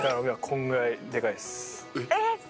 今こんぐらいでかいです。